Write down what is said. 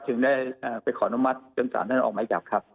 ถึงได้ไปขออนุมัติจนสารท่านออกหมายจับครับ